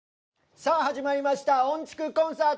さあ始まりました『音チクコンサート』。